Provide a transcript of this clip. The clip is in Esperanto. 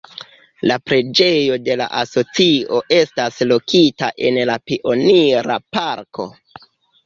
La Preĝejo de la Asocio estas lokita en la Pionira Parko.